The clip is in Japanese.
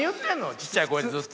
ちっちゃい声でずっと。